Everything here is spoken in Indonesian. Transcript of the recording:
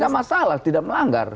dia kan gak masalah tidak melanggar